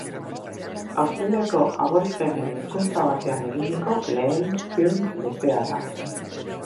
Australiako aborigenen hizkuntza batean eginiko lehen film luzea da.